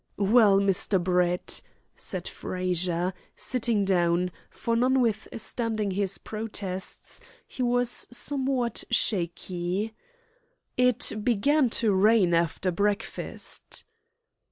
"Well, Mr. Brett," said Frazer, sitting down, for notwithstanding his protests, he was somewhat shaky, "it began to rain after breakfast."